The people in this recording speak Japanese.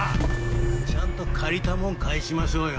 ちゃんと借りたもん返しましょうよ。